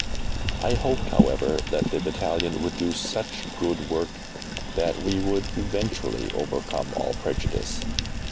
I hoped, however, that the battalion would do such good work that we would eventually overcome all prejudice.